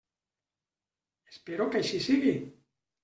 Espero que així sigui.